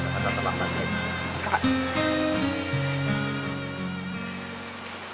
kakak terlambat kakak